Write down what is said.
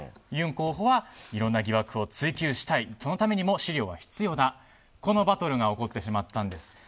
ユン候補はいろんな疑惑を追及したいそのためにも資料は必要というバトルが起こってしまったんです。